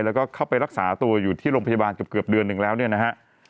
แล้วก็เข้าไปรักษาตัวอยู่ที่โรงพยาบาลเกือบเดือนหนึ่งแล้วเนี่ยนะฮะ